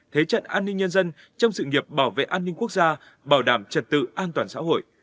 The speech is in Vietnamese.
thế trận an ninh nhân dân trong sự nghiệp bảo vệ an ninh quốc gia bảo đảm trật tự an toàn xã hội